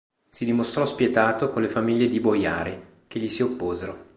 Si dimostrò spietato con le famiglie di boiari che gli si opposero.